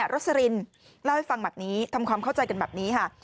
รสลินเล่าให้ฟังแบบนี้ทำความเข้าใจกันแบบนี้ค่ะ